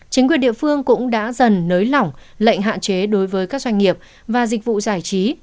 chính quyền địa phương cũng đã dần nới lỏng lệnh hạn chế đối với các doanh nghiệp và dịch vụ giải trí